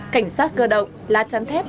cảnh sát cơ động lá chắn thép